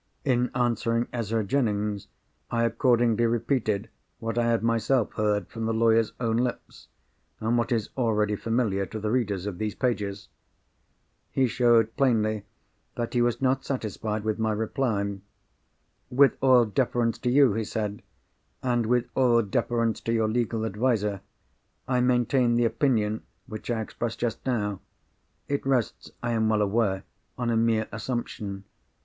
In answering Ezra Jennings, I accordingly repeated what I had myself heard from the lawyer's own lips—and what is already familiar to the readers of these pages. He showed plainly that he was not satisfied with my reply. "With all deference to you," he said, "and with all deference to your legal adviser, I maintain the opinion which I expressed just now. It rests, I am well aware, on a mere assumption.